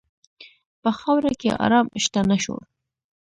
په خاوره کې آرام شته، نه شور.